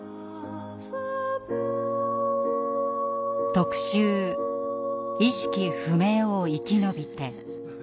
特集「意識不明」を生きのびて。